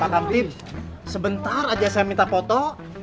pakam tim sebentar aja saya minta foto